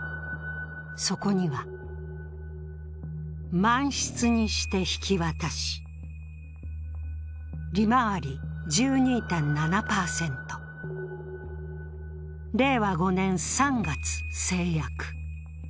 そこには、満室にして引き渡し、利回り１２．７％、令和５年３月成約。